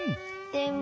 でも。